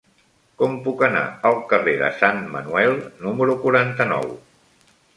Com puc anar al carrer de Sant Manuel número quaranta-nou?